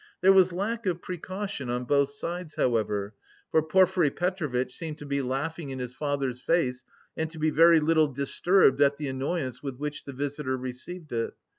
There was lack of precaution on both sides, however, for Porfiry Petrovitch seemed to be laughing in his visitor's face and to be very little disturbed at the annoyance with which the visitor received it.